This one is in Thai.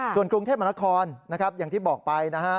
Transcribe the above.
ส่วนกรุงเทพมนาคมอย่างที่บอกไป